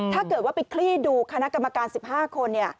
ถ้าเกิดว่าไปคลี่ดูคณะกรรมการ๑๕คน